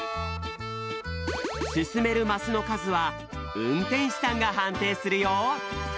すすめるマスのかずはうんてんしさんがはんていするよ